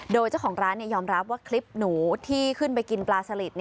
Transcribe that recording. โดยเจ้าของร้านยอมรับว่าคลิปหนูที่ขึ้นไปกินปลาสลิด